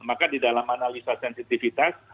maka di dalam analisa sensitivitas